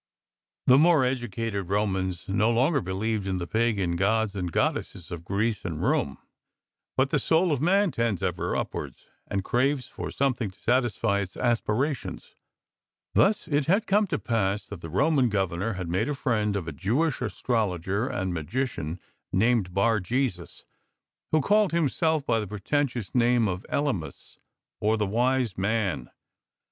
The more educated Romans no longer be lieved in the pagan gods and goddesses of Greece and Rome; but the soul of man tends ever upwards, and craves for something to satisfy Its aspirations. Thus it had come to pass that the Roman Governor had made a friend of a Jewish astrologer and magician named Bar jesus, who called himself by the pretentious name of Etymas, or the "'wise Man.